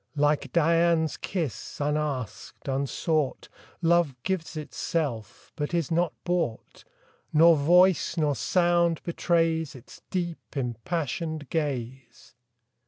Like Dian's kiss, unasked, unsought, Love gives itself, but is not bought; Nor voice, nor sound betrays Its deep, impassioned gaze.